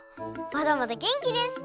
まだまだげんきです！